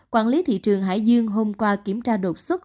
quản lý thị trường hải dương hôm qua kiểm tra đột xuất